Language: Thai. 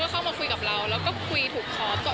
เขาก็เข้ามาคุยกับเราแล้วก็คุยถูกครอบ